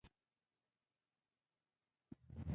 زما مور د هغوی لپاره یوه لویه میلمستیا جوړه کړې ده